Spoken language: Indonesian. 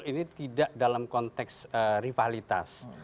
ini tidak dalam konteks rivalitas